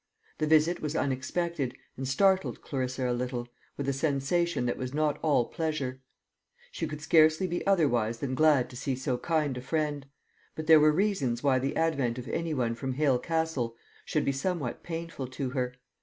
The visit was unexpected, and startled Clarissa a little, with a sensation that was not all pleasure. She could scarcely be otherwise than glad to see so kind a friend; but there were reasons why the advent of any one from Hale Castle should be somewhat painful to her.